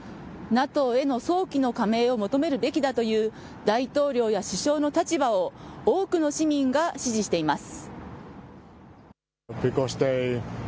ＮＡＴＯへの早期の加盟を求めるべきだという大統領や首相の立場を、多くの市民が支持しています。